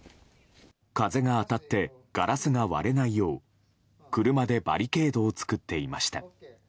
風が当たってガラスが割れないよう車でバリケードを作っていました。